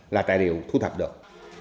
là tài liệu thu thập được